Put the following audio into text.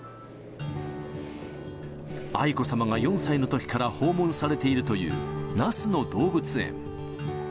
愛子さまが４歳のときから訪問されているという、那須の動物園。